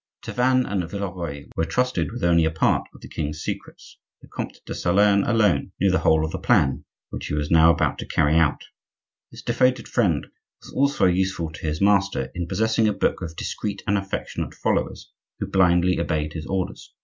Tavannes and Villeroy were trusted with only a part of the king's secrets. The Comte de Solern alone knew the whole of the plan which he was now about to carry out. This devoted friend was also useful to his master, in possessing a body of discreet and affectionate followers, who blindly obeyed his orders.